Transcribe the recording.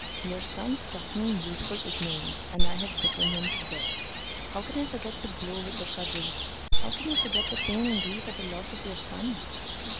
Your son struck me in youthful ignorance, and I have bitten him to death. How can I forget the blow with the cudgel? And how can you forget the pain and grief at the loss of your son?"